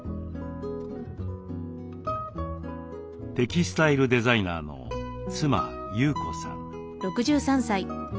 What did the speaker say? テキスタイルデザイナーの妻優子さん。